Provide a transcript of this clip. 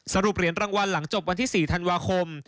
เหรียญรางวัลหลังจบวันที่๔ธันวาคม